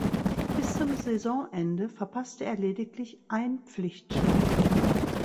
Bis zum Saisonende verpasste er lediglich ein Pflichtspiel.